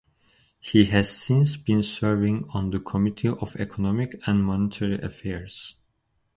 He has since been serving on the Committee on Economic and Monetary Affairs.